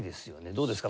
どうですか？